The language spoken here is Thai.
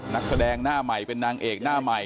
นักแสดงหน้าใหม่เป็นนางเอกหน้าใหม่